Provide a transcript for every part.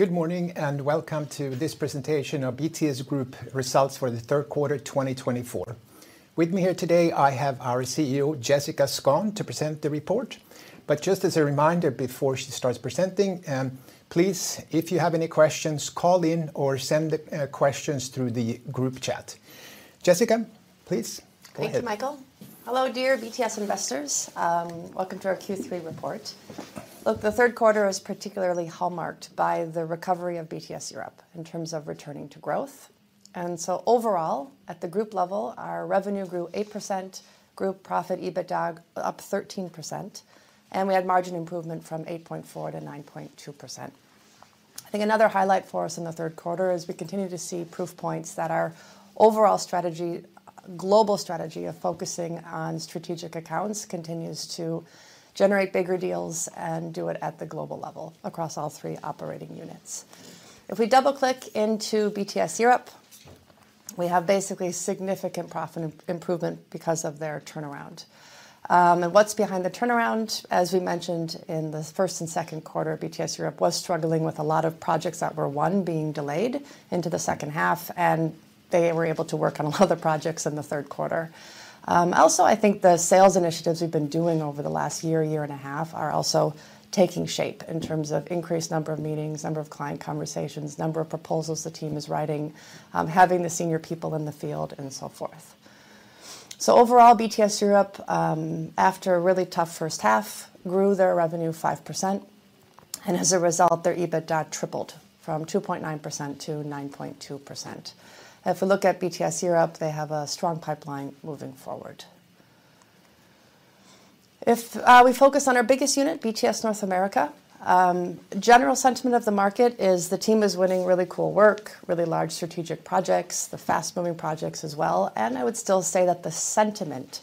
Good morning and welcome to this presentation of BTS Group results for the third quarter 2024. With me here today, I have our CEO Jessica Skon to present the report. But just as a reminder before she starts presenting, please, if you have any questions, call in or send questions through the group chat. Jessica, please. Thank you, Michael. Hello. Dear BTS investors, welcome to our Q3 report. Look, the third quarter is particularly hallmarked by the recovery of BTS Europe in terms of returning to growth, and so overall at the group level, our revenue grew 8%, group profit, EBITDA up 13% and we had margin improvement from 8.4% to 9.2%. I think another highlight for us in the third quarter is we continue to see proof points that our overall strategy, global strategy of focusing on strategic accounts continues to generate bigger deals and do it at the global level across all three operating units. If we double click into BTS Europe, we have basically significant profit improvement because of their turnaround and what's behind the turnaround. As we mentioned in the first and second quarter, BTS Europe was struggling with a lot of projects that were won being delayed into the second half and they were able to work on a lot of the projects in the third quarter. Also, I think the sales initiatives we've been doing over the last year and a half are taking shape in terms of increased number of meetings, number of client conversations, number of proposals the team is writing, having the senior people in the field and so forth. So overall, BTS Europe after a really tough first half grew their revenue 5% and as a result their EBITDA tripled from 2.9% to 9.2%. If we look at BTS Europe, they have a strong pipeline moving forward. If we focus on our biggest unit, BTS North America, general sentiment of the market is the team is winning, really cool work, really large strategic projects, the fast moving projects as well, and I would still say that the sentiment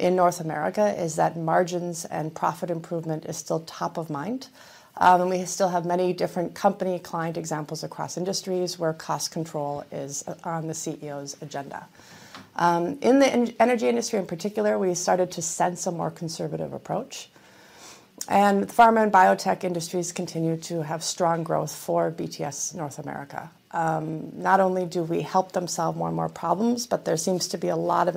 in North America is that margins and profit improvement is still top of mind and we still have many different company client examples across industries where cost control is on the CEO's agenda. In the energy industry in particular, we started to sense a more conservative approach, and pharma and biotech industries continue to have strong growth for BTS North America. Not only do we help them solve more and more problems, but there seems to be a lot of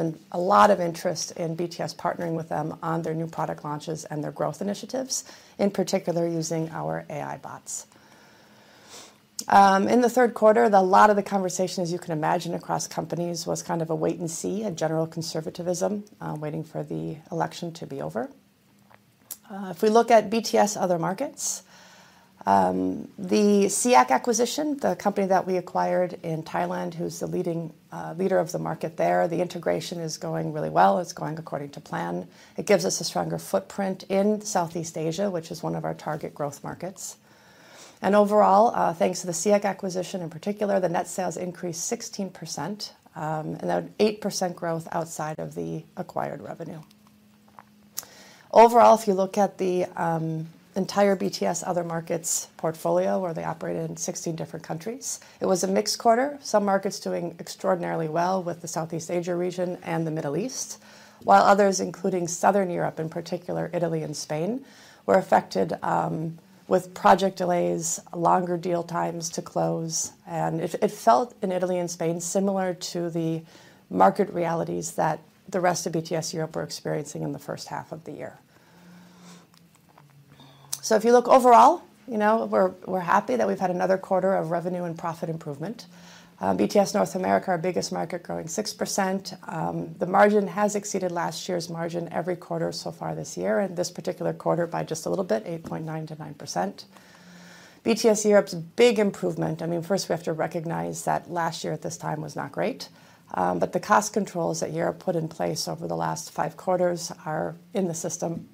interest in BTS partnering with them on their new product launches and their growth initiatives in particular, using our AI bots. In the third quarter, a lot of the conversation as you can imagine across companies was kind of a wait and see, a general conservatism waiting for the election to be over. If we look at BTS Other Markets, the SEAC acquisition, the company that we acquired in Thailand, who's the leading leader of the market there, the integration is going really well. It's going according to plan. It gives us a stronger footprint in Southeast Asia, which is one of our target growth markets. And overall, thanks to the SEAC acquisition in particular, the net sales increased 16% and an 8% growth outside of the acquired revenue. Overall, if you look at the entire BTS Other Markets portfolio, where they operate in 16 different countries, it was a mixed quarter. Some markets doing extraordinarily well with the Southeast Asia region and the Middle East, while others, including Southern Europe, in particular Italy and Spain, were affected with project delays, longer deal times to close, and it felt in Italy and Spain similar to the market realities that the rest of BTS Europe were experiencing in the first half of the year, so if you look overall, you know, we're happy that we've had another quarter of revenue and profit improvement. BTS North America, our biggest market, growing 6%, the margin has exceeded last year's margin every quarter so far this year and this particular quarter by just a little bit, 8.9%-9%. BTS Europe's big improvement. I mean first we have to recognize that last year at this time was not great. But the cost controls that Europe put in place over the last five quarters are in the system.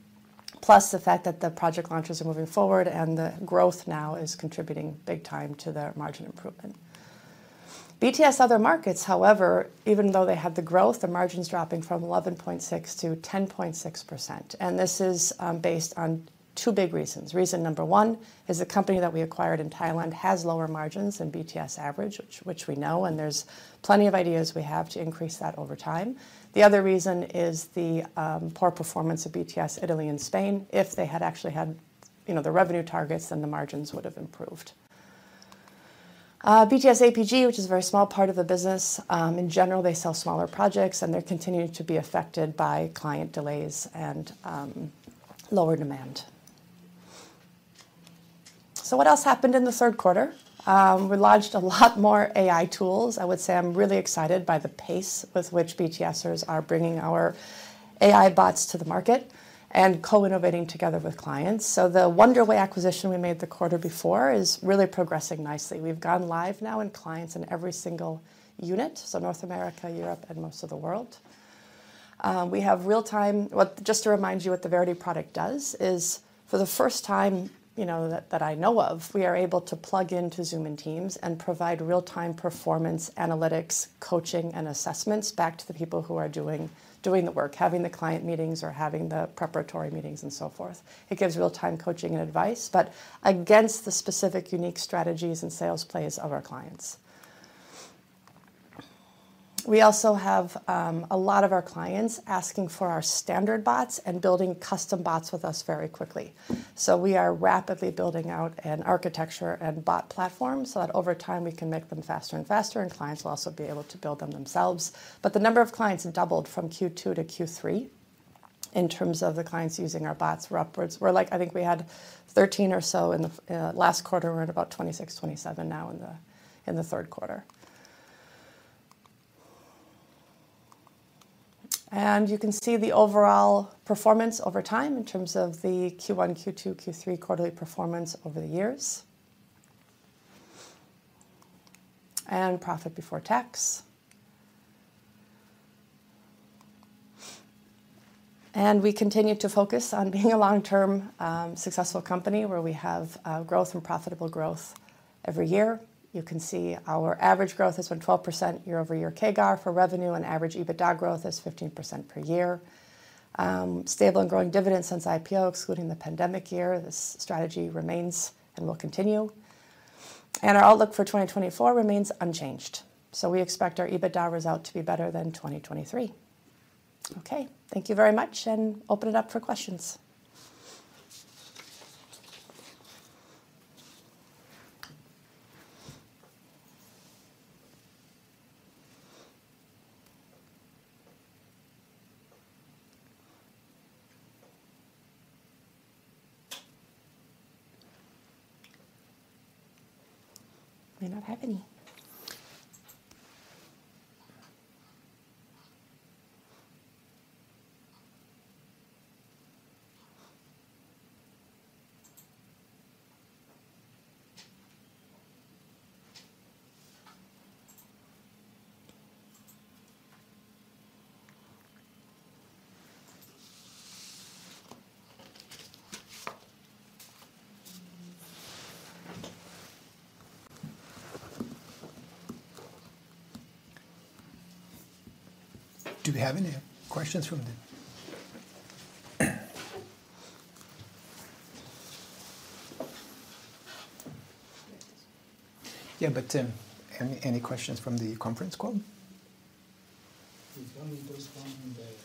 Plus the fact that the project launches are moving forward and the growth now is contributing big time to their margin improvement. BTS Other Markets however, even though they have the growth, the margins dropping from 11.6% to 10.6%. And this is based on two big reasons. Reason number one is the company that we acquired in Thailand has lower margins than BTS average, which we know and there's plenty of ideas we have to increase that over time. The other reason is the poor performance of BTS Italy and Spain. If they had actually had the revenue targets, then the margins would have improved. BTS APG, which is a very small part of the business in general, they sell smaller projects and they're continuing to be affected by client delays and lower demand. So what else happened? In the third quarter we launched a lot more AI tools. I would say I'm really excited by the pace with which BTSers are bringing our AI bots to the market and co-innovating together with clients. So the Wonderway acquisition we made the quarter before is really progressing nicely. We've gone live now in clients in every single unit. So North America, Europe and most of the world we have real time. Just to remind you, what the Verity product does is for the first time that I know of, we are able to plug into Zoom and Teams and provide real time performance analytics, coaching and assessments back to the people who are doing the work, having the client meetings or having the preparatory meetings and so forth. It gives real time coaching and advice, but against the specific unique strategies and sales plays of our clients. We also have a lot of our clients asking for our standard bots and building custom bots with us very quickly. So we are rapidly building out an architecture and bot platform so that over time we can make them faster and faster and clients will also be able to build them themselves. But the number of clients doubled from Q2 to Q3. In terms of the clients using our bots, we're upwards. We're like I think we had 13 or so in the last quarter. We're at about 26, 27 now in the third quarter. And you can see the overall performance over time in terms of the Q1, Q2, Q3, quarterly performance over the years and profit before tax. And we continue to focus on being a long term successful company where we have growth and profitable growth every year. You can see our average growth has been 12% year-over-year. CAGR for revenue and average EBITDA growth is 15% per year. Stable and growing dividend since IPO excluding the pandemic year. This strategy remains and will continue and our outlook for 2024 remains unchanged. So we expect our EBITDA result to be better than 2023. Okay, thank you very much and open it up for questions. May not have any. It. Do we have any questions from? Yeah, but Tim, any questions from the conference call?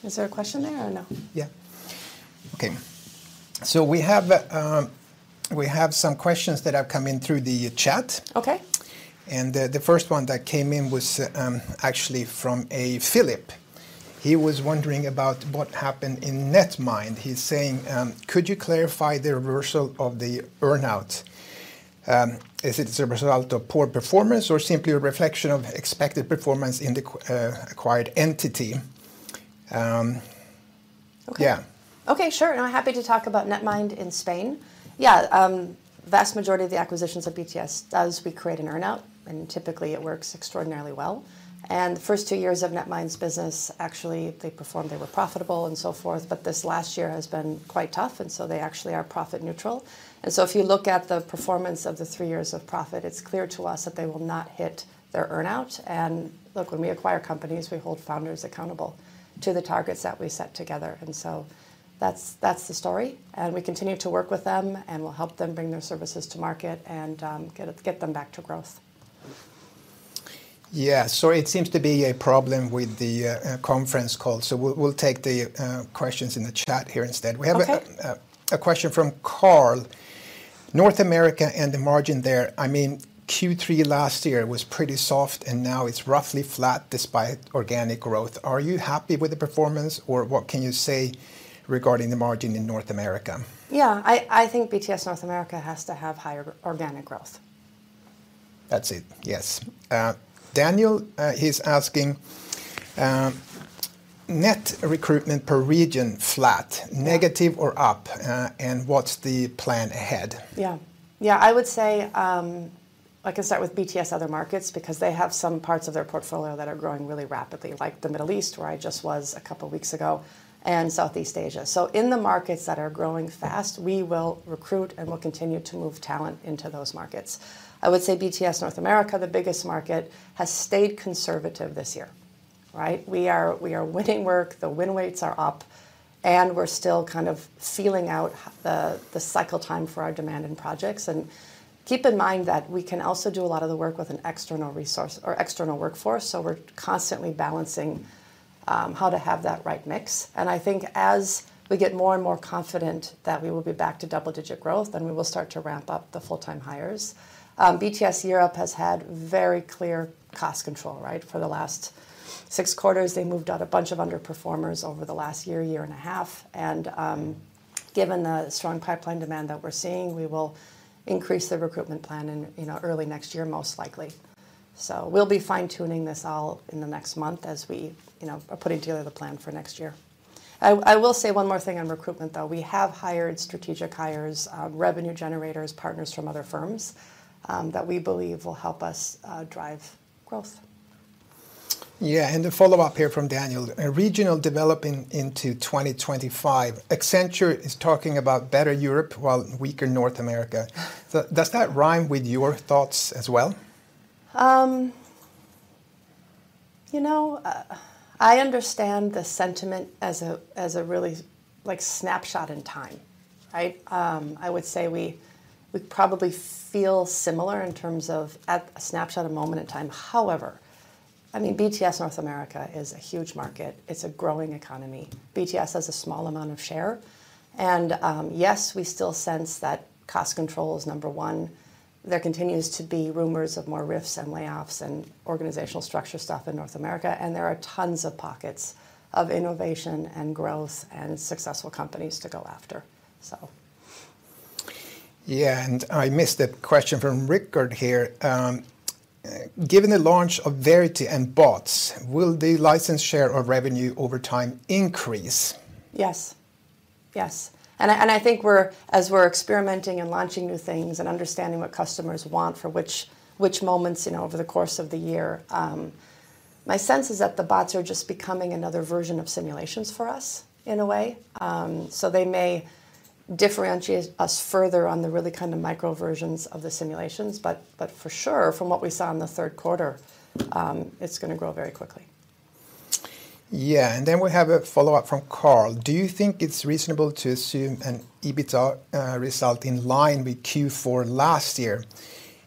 Is there a question there or no? Okay, so we have some questions that have come in through the chat. Okay. And the first one that came in was actually from Philip. He was wondering about what happened in Netmind. He's saying, could you clarify the reversal of the earn-out? Is it a result of poor performance or simply a reflection of expected performance in the acquired entity? Yeah, Okay, sure. And I'm happy to talk about Netmind in Spain. Yeah, vast majority of the acquisitions of BTS does we create an earn-out and typically it works extraordinarily well. And the first two years of Netmind's business actually they performed, they were profitable and so forth, but this last year has been quite tough and so they actually are profit neutral and so if you look at the performance of the three years of profit, it's clear to us that they will not hit their earn-out. And look, when we acquire companies, we hold founders accountable to the targets that we set together. And so that's the story. And we continue to work with them and we'll help them bring their services to market and get them back to growth. Yeah, so it seems to be a problem with the conference call, so we'll take the questions in the chat here instead. We have a question from Carl. North America and the margin there, I mean Q3 last year was pretty soft and now it's roughly flat despite organic growth. Are you happy with the performance or what can you say regarding the margin in North America? Yeah, I think BTS North America has to have higher organic growth. That's it. Yes, Daniel, he's asking net recruitment per region, flat, negative or up. And what's the plan ahead? Yeah, yeah, I would say I can start with BTS Other Markets because they have some parts of their portfolio that are growing really rapidly, like the Middle East where I just was a couple of weeks ago, and Southeast Asia. So in the markets that are growing fast, we will recruit and we'll continue to move talent into those markets. I would say BTS North America, the biggest market, has stayed conservative this year. Right. We are, we are winning work. The win rates are up and we're still kind of feeling out the cycle time for our demand and projects. And keep in mind that we can also do a lot of the work with an external resource or external workforce. So we're constantly balancing how to have that right mix. And I think as we get more and more confident that we will be back to double-digit growth and we will start to ramp up the full-time hires. BTS Europe has had very clear cost control, right. For the last six quarters, they moved out a bunch of underperformers over the last year and a half. And given the strong pipeline demand that we're seeing, we will increase the recruitment plan early next year, most likely. So we'll be fine-tuning this all in the next month as we are putting together the plan for next year. I will say one more thing on recruitment though. We have hired strategic hires, revenue generators, partners from other firms that we believe will help us drive growth. Yeah, and a follow-up here from Daniel, regional developments into 2025. Accenture is talking about better Europe, weaker North America. Does that rhyme with your thoughts as well? You know I understand the sentiment as a, as a really like snapshot in time. Right. I would say we, we probably feel similar in terms of at a snapshot, a moment in time. However, I mean BTS North America is a huge market, it's a growing economy, BTS has a small amount of share. And yes, we still sense that cost control is number one. There continues to be rumors of more RIFs and layoffs and organizational structure stuff in North America and there are tons of pockets of innovation and growth and successful companies to go after. Yeah, and I missed a question from Rickard here. Given the launch of Verity and bots, will the license share of revenue over time increase? Yes, yes, and I think as we're experimenting and launching new things and understanding what customers want for which moments over the course of the year, my sense is that the bots are just becoming another version of simulations for us in a way, so they may differentiate us further on the really kind of micro versions of the simulations, but for sure, from what we saw in the third quarter, it's going to grow very quickly. Yeah, and then we have a follow up from Carl. Do you think it's reasonable to assume an EBITDA result in line with Q4 last year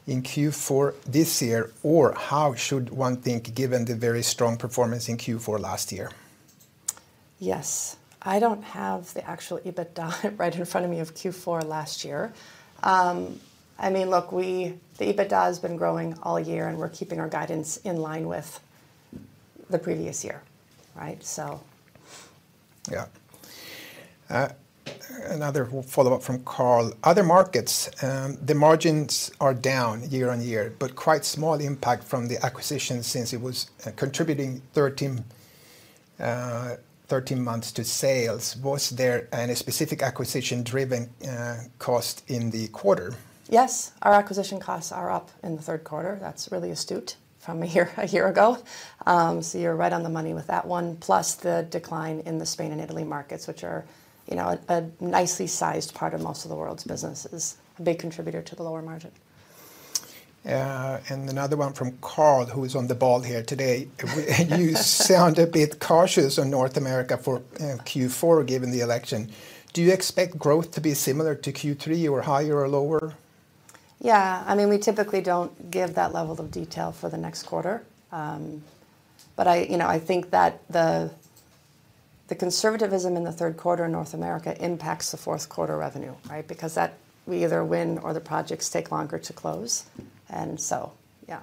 in Q4 this year or how should one think given the very strong performance in Q4 last year? Yes, I don't have the actual EBITDA right in front of me of Q4 last year. I mean, look, we, the EBITDA has been growing all year and we're keeping our guidance in line with the previous year. Right. So Yeah. Another follow up from Carl. Other Markets, the margins are down year on year, but quite small impact from the acquisition since it was contributing 13 months to sales. Was there any specific acquisition driven cost in the quarter? Yes, our acquisition costs are up in the third quarter. That's really astute from a year ago. So you're right on the money with that one. Plus the decline in the Spain and Italy markets, which are, you know, a nicely sized part of most of the world's businesses. A big contributor to the lower margin. Another one from Carl, who is on the ball here today. You sound a bit cautious on North America for Q4. Given the election, do you expect growth to be similar to Q3 or higher or lower? Yeah, I mean we typically don't give that level of detail for the next quarter, but I think that the conservatism in the third quarter in North America impacts the fourth quarter revenue because we either win or the projects take longer to close. And so. Yeah. Yeah.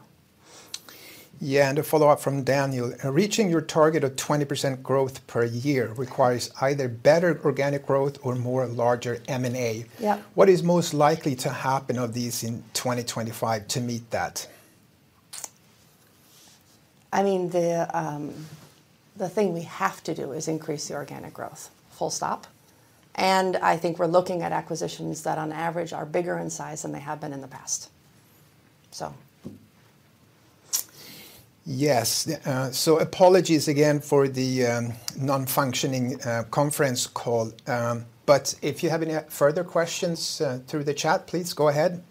A follow-up from Daniel. Reaching your target of 20% growth per year requires either better organic growth or more larger M&A. What is most likely to happen of these in 2025 to meet that? I mean, the thing we have to do is increase the organic growth full stop, and I think we're looking at acquisitions that on average are bigger in size than they have been in the past. So. Yes. So apologies again for the non-functioning conference call, but if you have any further questions through the chat, please go ahead.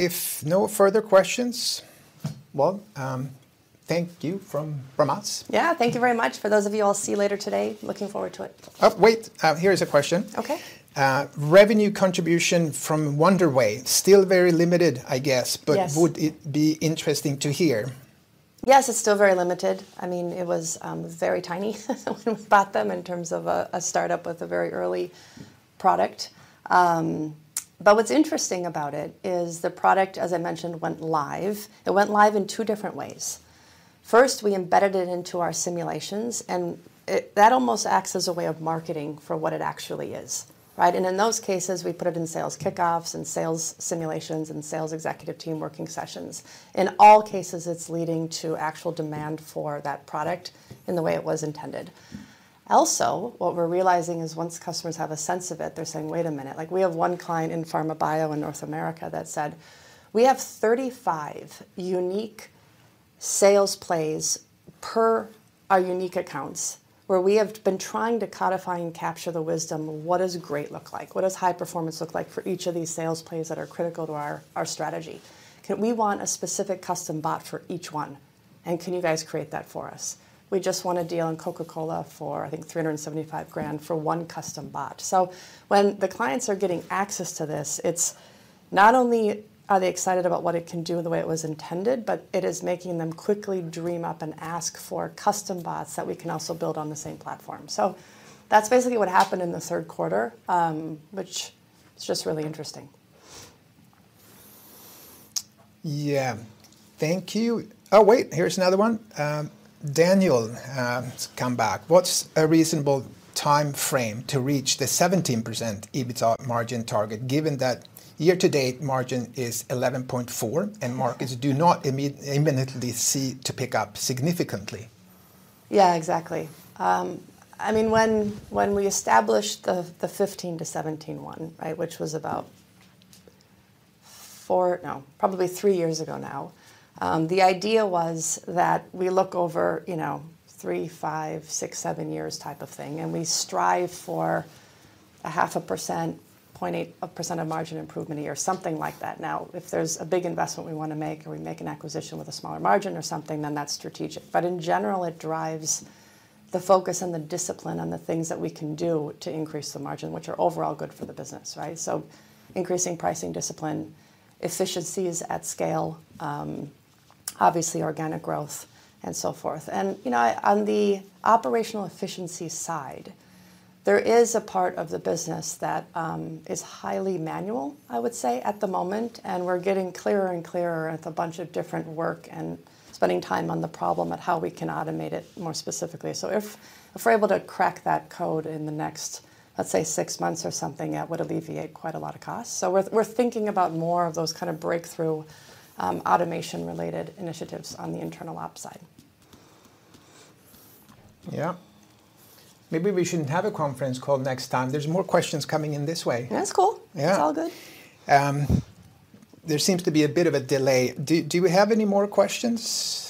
If no further questions, well, thank you from us. Yeah, thank you very much. For those of you I'll see later today, looking forward to it. Oh wait, here's a question. Okay. Revenue contribution from Wonderway still very limited, I guess, but would it be interesting to hear? Yes, it's still very limited. I mean, it was very tiny when we bought them in terms of a startup with a very early product. But what's interesting about it is the product, as I mentioned, went live. It went live in two different ways. First, we embedded it into our simulations and that almost acts as a way of marketing for what it actually is. Right. And in those cases, we put it in sales kickoffs and sales simulations and sales executive team working sessions. In all cases, it's leading to actual demand for that product in the way it was intended. Also what we're realizing is once customers have a sense of it, they're saying, wait a minute, like we have one client in pharma bio in North America. That said, we have 35 unique sales plays per our unique accounts where we have been trying to codify and capture the wisdom. What does great look like? What does high performance look like? For each of these sales plays that are critical to our strategy, we want a specific custom bot for each one. And can you guys create that for us? We just want a deal in Coca-Cola for, I think, $375,000 for one custom bot. So when the clients are getting access to this, it's not only are they excited about what it can do the way it was intended, but it is making them quickly dream up and ask for custom bots that we can also build on the same platform. So that's basically what happened in the third quarter, which is just really interesting. Yeah, thank you. Oh wait, here's another one. Daniel, come back. What's a reasonable time frame to reach the 17% EBITDA margin target given that year to date margin is 11.4% and markets do not imminently seem to pick up significantly. Yeah, exactly. I mean, when we established the 15 to 17 one, which was about four, no, probably three years ago. Now, the idea was that we look over three, five, six, seven years type of thing and we strive for 0.5%, 0.8% of margin improvement a year, something like that. Now if there's a big investment we want to make, or we make an acquisition with a smaller margin or something, then that's strategic. But in general, it drives the focus and the discipline on the things that we can do to increase the margin which are overall good for the business. Right. So increasing pricing discipline, efficiencies at scale, obviously organic growth and so forth. And you know, on the operational efficiency side, there is a part of the business that is highly manual, I would say, at the moment. We're getting clearer and clearer with a bunch of different work and spending time on the problem and how we can automate it more specifically. If we're able to crack that code in the next, let's say six months or something, that would alleviate quite a lot of costs. We're thinking about more of those kind of breakthrough automation related initiatives. On the internal ops side. Yeah, maybe we shouldn't have a conference call next time. There's more questions coming in this way. That's cool. It's all good. There seems to be a bit of a delay. Do we have any more questions?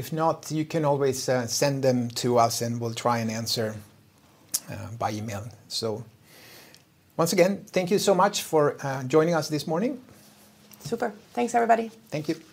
If not, you can always send them to us and we'll try and answer by email. So once again, thank you so much for joining us this morning. Super. Thanks everybody. Thank you.